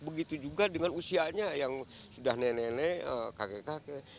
begitu juga dengan usianya yang sudah nenek nenek kakek kakek